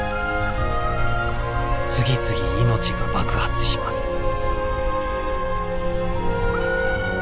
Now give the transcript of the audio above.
次々命が爆発します。